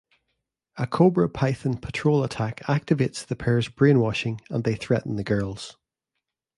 A Cobra Python Patrol attack activates the pair's brainwashing and they threaten the girls.